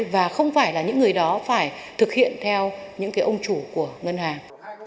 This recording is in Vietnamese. và không phải là những người đó phải thực hiện theo những cái ông chủ của ngân hàng